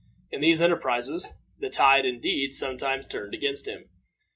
In these enterprises, the tide, indeed, sometimes turned against him.